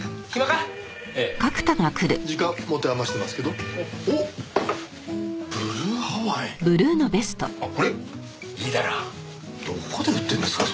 どこで売ってんですか？